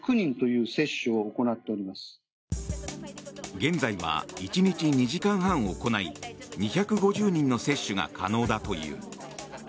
現在は、１日２時間半行い２５０人の接種が可能だという。